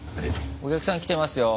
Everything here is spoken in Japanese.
お客さん来てますよ。